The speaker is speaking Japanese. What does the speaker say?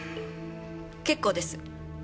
結構です。